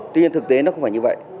tuy nhiên thực tế nó không phải như vậy